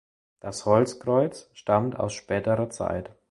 Das Holzkreuz stammt aus späterer Zeit.